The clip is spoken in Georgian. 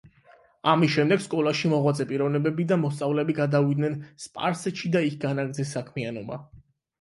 ამის შემდეგ სკოლაში მოღვაწე პიროვნებები და მოსწავლეები გადავიდნენ სპარსეთში და იქ განაგრძეს საქმიანობა.